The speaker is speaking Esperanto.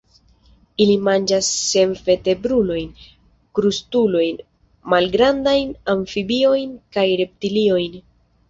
Ili manĝas senvertebrulojn, krustulojn, malgrandajn amfibiojn kaj reptiliojn.